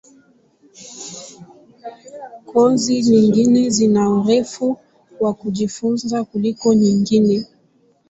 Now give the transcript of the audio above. Kozi nyingine zina urefu wa kujifunza kuliko nyingine.